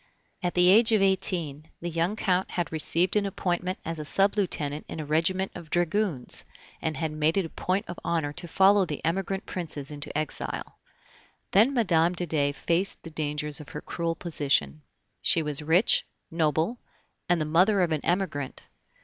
At the age of eighteen, the young Count had received an appointment as sub lieutenant in a regiment of dragoons, and had made it a point of honor to follow the emigrant Princes into exile. Then Mme. de Dey faced the dangers of her cruel position. She was rich, noble, and the mother of an Emigrant.